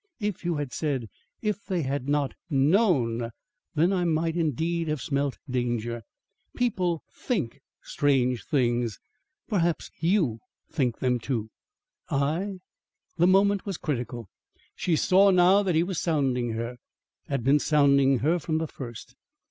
"If you had said if they had not KNOWN, then I might indeed have smelt danger. People THINK strange things. Perhaps YOU think them, too." "I?" The moment was critical. She saw now that he was sounding her, had been sounding her from the first.